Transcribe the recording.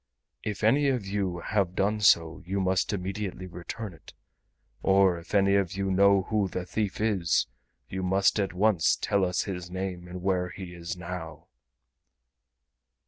If any of you have done so you must immediately return it, or if any of you know who the thief is you must at once tell us his name and where he is now."